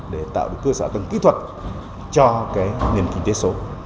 để tạo được cơ sở tầng kỹ thuật cho cái nền kinh tế số